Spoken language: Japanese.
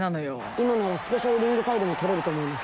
今ならスペシャルリングサイドも取れると思います。